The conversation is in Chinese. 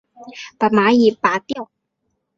把蚂蚁拨掉